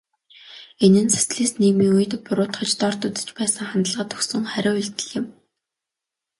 Энэ нь социалист нийгмийн үед буруутгаж, дорд үзэж байсан хандлагад өгсөн хариу үйлдэл юм.